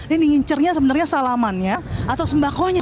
ini ngcernya sebenarnya salamannya atau sembakonya